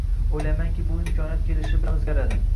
Oʻylaymanki, bu imkoniyat kelishi bilan oʻzgaradi